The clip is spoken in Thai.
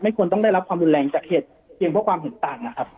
ควรต้องได้รับความรุนแรงจากเหตุเพียงเพราะความเห็นต่างนะครับ